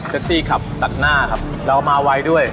เจสซี่ขับตากหน้าแล้วมาไวด้วย